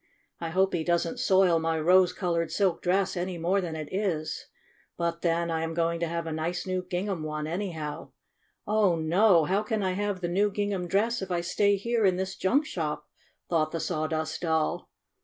"I hope he doesn't soil my rose colored silk dress any more than it is. But then I am going to have a new gingham one, anyhow. Oh, no ! How can I have the new gingham dress if I stay here in this junk shop?" thought the Sawdust Doll.